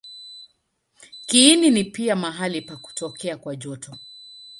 Kiini ni pia mahali pa kutokea kwa joto.